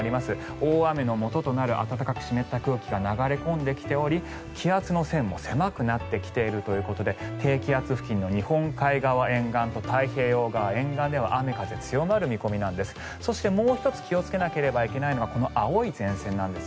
大雨のもととなる暖かく湿った空気が流れ込んできており気圧の線も狭くなってきているということで低気圧付近の日本海側沿岸と太平洋側沿岸では雨、風が強まる見込みなんです。